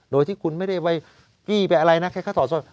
โดยที่คุณไม่ได้ไปกี้แบบอะไรนะแค่ถอดสร้อย